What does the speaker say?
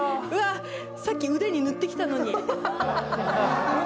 さっき腕に塗ってきたのに。